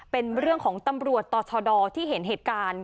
เป็นเรื่องของตำรวจต่อชดที่เห็นเหตุการณ์